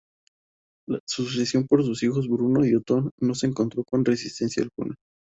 Su sucesión por sus hijos Bruno y Otón no se encontró con resistencia alguna.